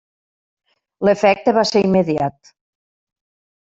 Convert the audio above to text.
L'efecte va ser immediat.